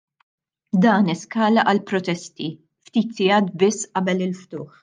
Dan eskala għal protesti, ftit sigħat biss qabel il-ftuħ.